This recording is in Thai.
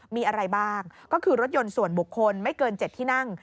มีอะไรบ้างก็คือรถยนต์ส่วนบุคคลไม่เกิน๗ที่นั่ง